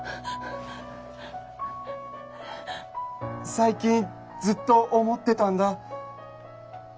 最近ずっと思ってたんだ。